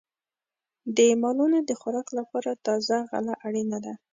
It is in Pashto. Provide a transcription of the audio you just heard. د مالونو د خوراک لپاره تازه غله اړینه ده.